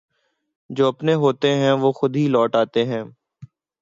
جواپنے ہوتے ہیں وہ خودہی لوٹ آتے ہیں